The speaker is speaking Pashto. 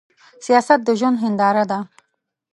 سياست د ژوند هينداره ده.